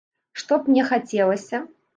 Што б мне хацелася?